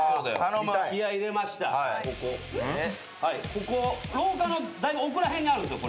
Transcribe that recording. ここ廊下のだいぶ奥ら辺にあるんすよ